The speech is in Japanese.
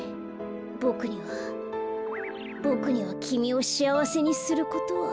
ボクにはボクにはきみをしあわせにすることは。